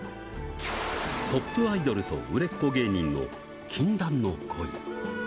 トップアイドルと売れっ子芸人の禁断の恋。